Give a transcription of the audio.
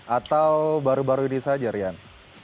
atau baru baru ini saja rian